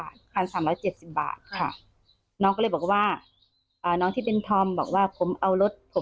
ส่วนรถยนต์ที่เอามาเป็นหลักประกันแทนค่าอาหาร๑๓๐๐กว่าบาท